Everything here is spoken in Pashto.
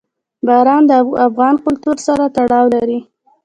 باران د افغان کلتور سره تړاو لري.